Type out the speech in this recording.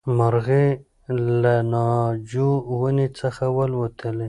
مرغۍ له ناجو ونې څخه والوتې.